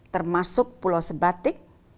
termasuk pulau sebatik